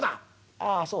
「ああそう。